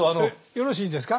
よろしいんですか？